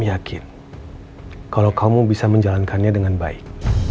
yakin kalau kamu bisa menjalankannya dengan baik